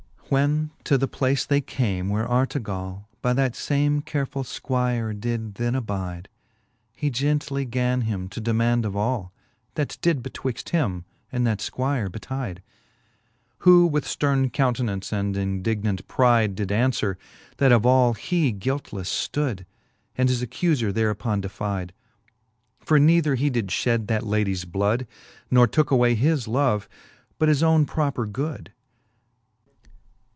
When to the place they came, where Artegall By that fame careful! Squire did then abide, He gently gan him to demaund of all, That did betwixt him and that Squire betide ; Who with fterne countenance and indignant pride Did aunfwere, that of all he guiltlefie flood, And his accufer thereupon defide : For neither he did fhed that ladies bloud, ' Nor took away his love, but his owne proper good.